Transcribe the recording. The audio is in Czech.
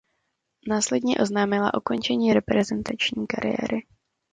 Následně oznámila ukončení reprezentační kariéry.